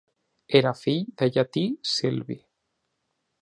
Era fill de Llatí Silvi.